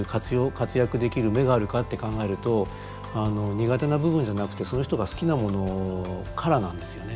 活躍できる芽があるかって考えると苦手な部分じゃなくてその人が好きなものからなんですよね。